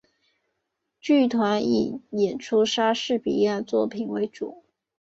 剧团以演出莎士比亚作品为主。